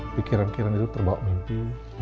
pikiran pikiran itu terbawa mimpi